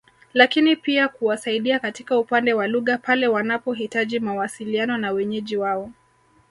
Lakini pia kuwasaidia katika upande wa lugha pale wanapohitaji mawasiliano na wenyeji wao